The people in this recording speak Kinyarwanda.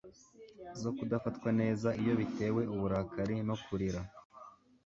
zo kudafatwa neza Iyo batewe uburakari no kurira